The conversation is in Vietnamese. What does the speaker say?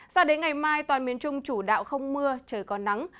sao đến ngày mai toàn miền trung chủ đạo không mưa trời còn nắng